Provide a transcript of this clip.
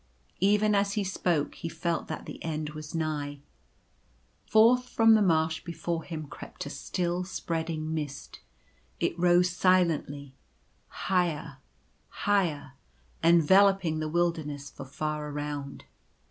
Even as he spoke he felt that the end was nigh. Forth from the marsh before him crept a still, spreading mist. It rose silently, higher — higher — en veloping the wilderness for far around.